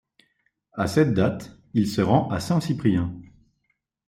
À cette date, il se rend à Saint-Cyprien.